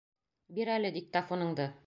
Бир әле диктофоныңды!